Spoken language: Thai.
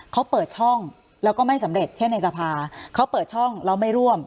เขาเปิดช่องแล้วก็ไม่สำเร็จเช่นในสภาเขาเปิดช่องแล้วไม่ร่วม